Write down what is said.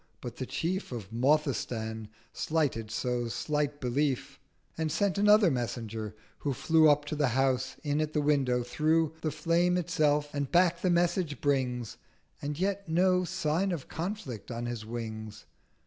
But the chief Of Mothistan slighted so slight Belief, And sent another Messenger, who flew Up to the House, in at the window, through The Flame itself; and back the Message brings, With yet no sign of Conflict on his wings.